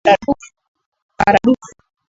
Mara dufu.